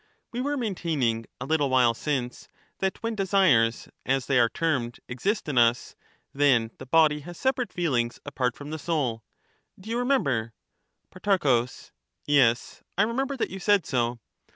We were maintaining a little while since, that when Recapitu desires, as they are termed, exist in us, then the body has i*^®" separate feelings apart from the soul — do you remember ? Pro. Yes, I remember that you said so.